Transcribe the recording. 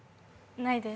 ないです